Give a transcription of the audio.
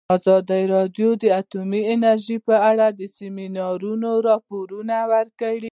ازادي راډیو د اټومي انرژي په اړه د سیمینارونو راپورونه ورکړي.